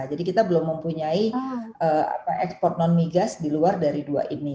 jadi kita belum mempunyai ekspor non migas di luar dari dua ini